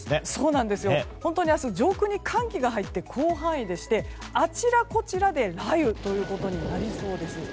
明日、上空の寒気が入って広範囲でしてあちらこちらで雷雨ということになりそうです。